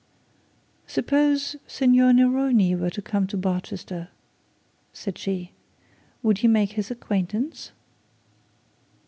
'Suppose Signor Neroni were to come to Barchester,' said she, 'would you make his acquaintance?'